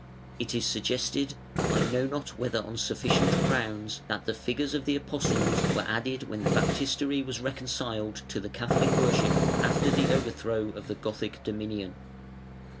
It is suggested, I know not whether on sufficient grounds, that the figures of the Apostles were added when the Baptistery was "reconciled" to the Catholic worship after the overthrow of the Gothic dominion.